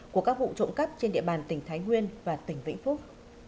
của các vụ trộm cắp trên địa bàn tỉnh thái nguyên và tỉnh vĩnh phúc